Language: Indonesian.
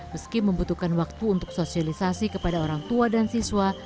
meski membutuhkan waktu untuk sosialisasi kepada orang tua dan siswa